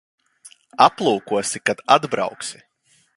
Aplūkosi, kad atbrauksi.